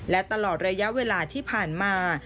และตลอดระยะเวลาที่ผ่านมา